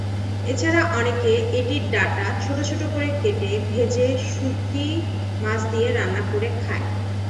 এছাড়া অনেকে এটির ডাটা ছোট ছোট করে কেটে ভেজে শুঁটকি মাছ দিয়ে রান্না করে খায়।